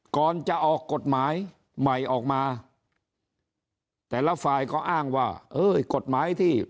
ก่อนจะออกกฎหมายใหม่ออกมาแต่ละฝ่ายก็อ้างว่าเอ้ยกฎหมายที่